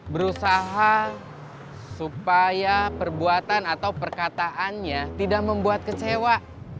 berusaha supaya perbuatan atau perkataannya tidak membuat kecewa